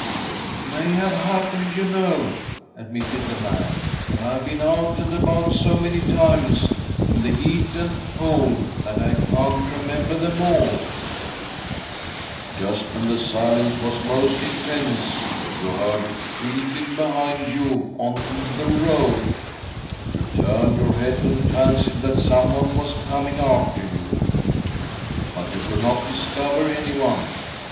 ; "It may have happened, you know," admitted the man, " but I've been out and about so many urnes .in the heat and cold that I can't remember them all." ' Just when the silence was most intense, you ■_____ 1 "a ft" 54 THY SOUL SHALL BEAR WITNESS I heard a creaking behind you on the road. You turned your head and fancied that someone was coming after you, but you could not discover anyone.